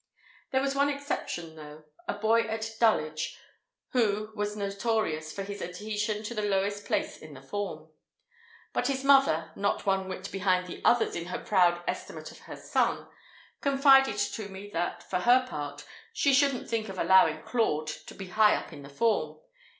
There was one exception though—a boy at Dulwich, who was notorious for his adhesion to the lowest place in the form. But his mother, not one whit behind the others in her proud estimate of her son, confided to me that, for her part, she shouldn't think of allowing Claude to be high up in the form.